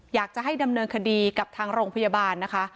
อยากจะให้ดำเนินคดีกับทางโรงพยาบาลนะคะ